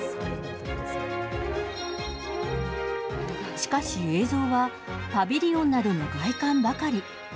しかし、映像は、パビリオンなどの外観ばかり。